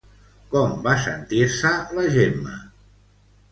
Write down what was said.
Com va sentir-se, la Gemma?